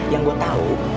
yang gue tau